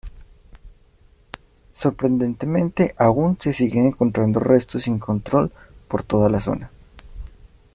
Sorprendentemente aún se siguen encontrando restos sin control por la zona.